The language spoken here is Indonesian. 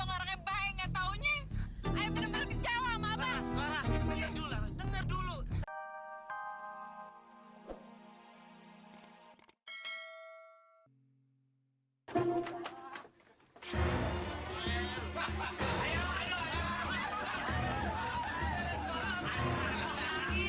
kalau perlu bunuhnya